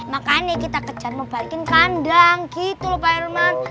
makanya kita kejar membalikkan kandang gitu pak herman